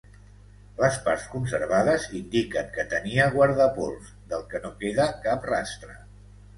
Les parts conservades indiquen que tenia guardapols, del que no queda cap rastre.